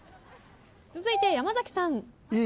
続いて山崎さん。